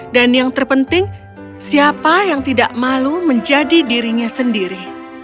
dan yang terpenting siapa yang tidak malu menjadi dirinya sendiri